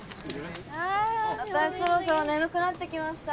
私そろそろ眠くなってきました